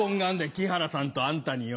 木原さんとあんたによ。